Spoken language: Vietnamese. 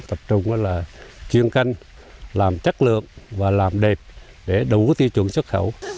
tập trung là chuyên canh làm chất lượng và làm đẹp để đấu với tiêu chuẩn xuất khẩu